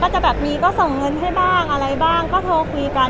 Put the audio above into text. พ่อจะชอบส่งเงินให้บ้างอะไรบ้างก็โทรคุยกัน